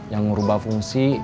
yang ngerubah fungsi